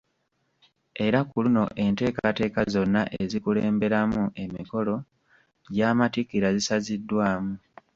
Era ku luno enteekateeka zonna ezikulemberamu emikolo gy'Amatikkira zisaziddwamu.